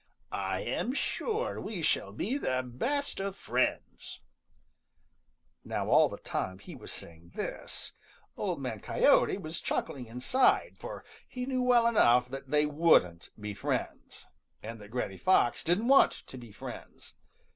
I am sure we shall be the best of friends." [Illustration: 0080] Now all the time he was saying this, Old Man Coyote was chuckling inside, for he knew well enough that they wouldn't be friends, and that Granny Fox didn't want to be friends.